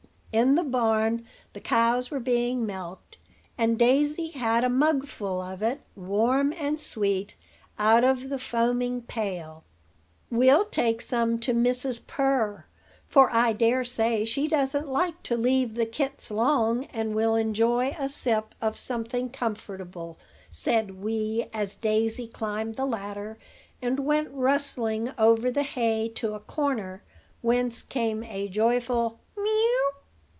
In the barn, the cows were being milked; and Daisy had a mugful of it, warm and sweet, out of the foaming pail. "We'll take some to Mrs. Purr; for, I dare say, she doesn't like to leave the kits long, and will enjoy a sip of something comfortable," said Wee, as Daisy climbed the ladder, and went rustling over the hay to a corner, whence came a joyful "Mew!"